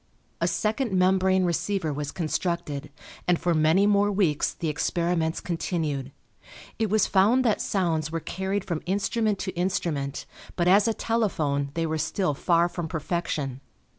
A second membrane receiver was constructed, and for many more weeks the experiments continued. It was found that sounds were carried from instrument to instrument, but as a telephone they were still far from perfection.